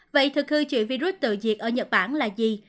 vậy thực hư trụy virus tự diệt ở nhật bản là gì